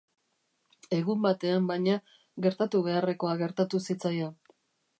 Egun batean, baina, gertatu beharrekoa gertatu zitzaion.